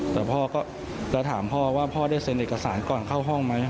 แต่พ่อก็จะถามพ่อว่าพ่อได้เซ็นเอกสารก่อนเข้าห้องไหม